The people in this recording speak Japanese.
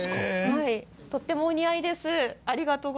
とてもお似合いです。